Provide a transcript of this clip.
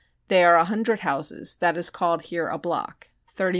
They are a hundred houses, that is called here a block 30,000,000.